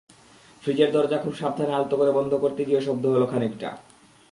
ফ্রিজের দরজা খুব সাবধানে আলতো করে বন্ধ করতে গিয়েও শব্দ হলো খানিকটা।